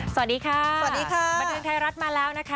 สวัสดีค่ะสวัสดีค่ะบันเทิงไทยรัฐมาแล้วนะคะ